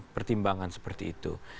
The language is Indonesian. pertimbangan seperti itu